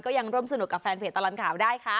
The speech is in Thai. ยังร่วมสนุกกับแฟนเพจตลอดข่าวได้ค่ะ